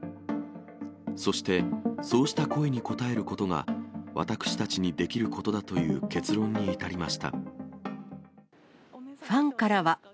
そしてそうした声に応えることが、私たちにできることだという結論ファンからは。